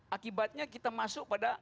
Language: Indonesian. akibatnya kita masuk pada